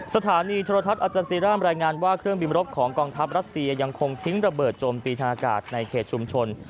สถานีโทรทัศน์อาจารซีร่ามรายงานว่าเครื่องบินรบของกองทัพรัสเซียยังคงทิ้งระเบิดโจมตีทางอากาศในเขตชุมชน